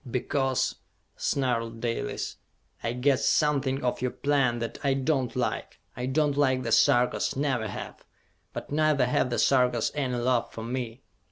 "Because," snarled Dalis, "I guessed something of your plan that I do not like! I do not like the Sarkas, never have; but neither have the Sarkas any love for me!